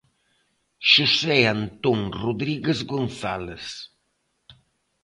Xosé Antón Rodríguez González.